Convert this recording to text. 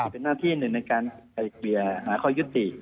เป็นหน้าที่หนึ่งในการหาความยุติ